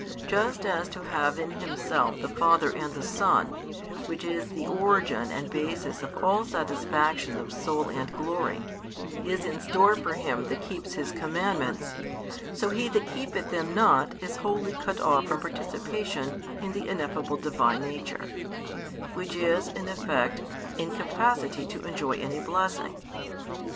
Just as to have in himself the Father and the Son, which is the origin and basis of all satisfaction of soul and glory, is in store for him that keeps His commandments, so he that keepeth them not is wholly cut off from participation in the ineffable Divine nature; which is, in effect, incapacity to enjoy any blessing.